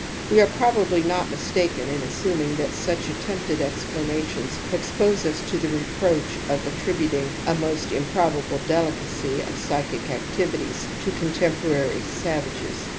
We are probably not mistaken in assuming that such attempted explanations expose us to the reproach of attributing a most hnprobable delicacy of psychic activities to contemporary savages.